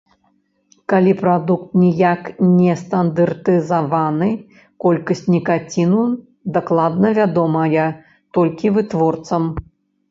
Калі прадукт ніяк не стандартызаваны, колькасць нікаціну дакладна вядомая толькі вытворцам.